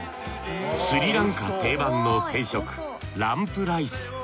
スリランカ定番の定食ランプライス。